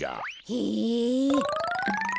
へえ。